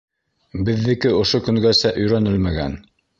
Беҙҙеке ошо көнгәсә өйрәнелмәгән...